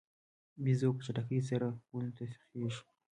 بیزو په چټکۍ سره ونو ته خیژي.